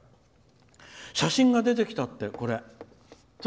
写真が出てきたって。